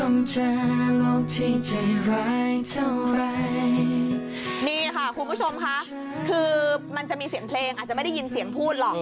นี่ค่ะคุณผู้ชมค่ะคือมันจะมีเสียงเพลงอาจจะไม่ได้ยินเสียงพูดหรอก